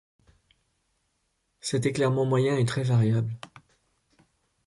Cet éclairement moyen est très variable.